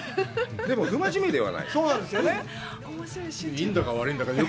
でも不真面目ではない。